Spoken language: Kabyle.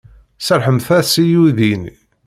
Serrḥemt-as i uydi-nni.